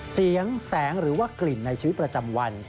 แสงแสงหรือว่ากลิ่นในชีวิตประจำวัน